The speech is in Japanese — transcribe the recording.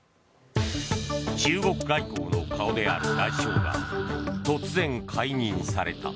中国外交の顔である外相が突然、解任された。